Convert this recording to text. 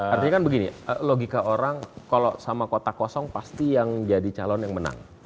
artinya kan begini logika orang kalau sama kota kosong pasti yang jadi calon yang menang